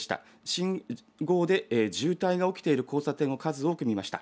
信号で渋滞が起きている交差点を数多く見ました。